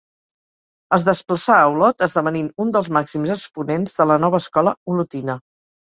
Es desplaçà a Olot esdevenint un dels màxims exponents de la nova escola olotina.